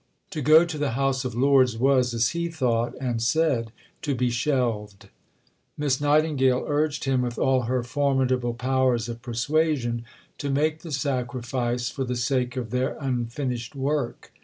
To go to the House of Lords was, as he thought and said, to be "shelved." Miss Nightingale urged him with all her formidable powers of persuasion, to make the sacrifice for the sake of their unfinished work.